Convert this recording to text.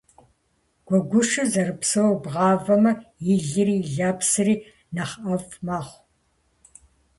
Гуэгушыр зэрыпсоуэ бгъавэмэ, илри и лэпсри нэхъ ӏэфӏ мэхъу.